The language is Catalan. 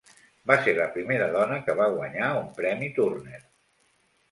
Va ser la primera dona que va guanyar un premi Turner.